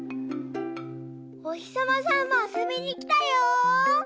おひさまさんもあそびにきたよ！